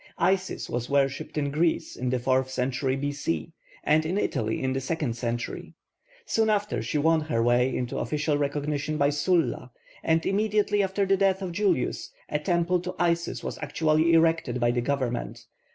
Isis was worshipped in Greece in the fourth century B.C., and in Italy in the second century. Soon after she won her way into official recognition by Sulla, and immediately after the death of Julius a temple to Isis was actually erected by the government.